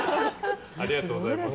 ありがとうございます。